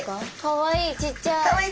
かわいいちっちゃい。